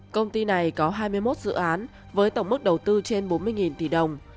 công ty này có hai mươi một dự án với tổng mức đầu tư trên bốn mươi tỷ đồng